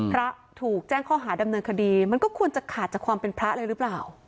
พระถูกแจ้งข้อหาดำเนินคดีมันก็ควรจะขาดจากความเป็นพระเลยหรือเปล่า